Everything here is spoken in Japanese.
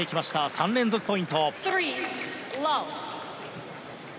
３連続ポイント。